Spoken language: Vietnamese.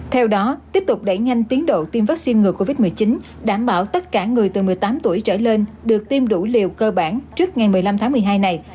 theo đó tiếp tục đẩy nhanh tiến độ tiêm vaccine ngừa covid một mươi chín đảm bảo tất cả người từ một mươi tám tuổi trở lên được tiêm đủ liều cơ bản trước ngày một mươi năm tháng một mươi hai này